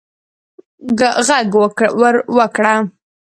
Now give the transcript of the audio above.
ږغ ور وکړه